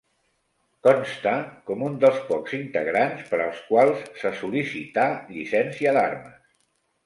Consta com un dels pocs integrants per als quals se sol·licità llicència d'armes.